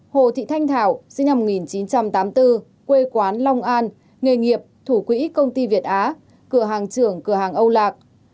hồ thị thanh thảo sinh năm một nghìn chín trăm tám mươi bốn quê quán long an nghề nghiệp thủ quỹ công ty việt á cửa hàng trưởng cửa hàng âu lạc